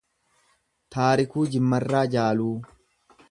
Taarikuu Jimmarraa Jaaluu